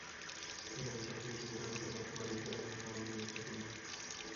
এই অঞ্চল কৃষিপ্রধান হলেও ব্যবসা-বাণিজ্যও এখানে সমান গুরুত্বপূর্ণ।